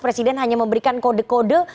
presiden hanya memberikan kode kode